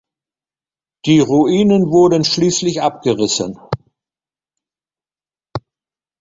Die Ruinen wurden schließlich abgerissen.